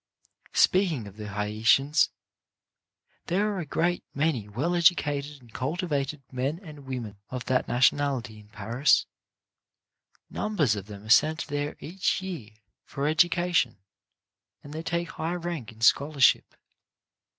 Speaking of the Haitians, there are a good many well educated and cultivated men and women of that nationality in Paris. Numbers of them are sent there each year for education, and they take high rank in scholarship.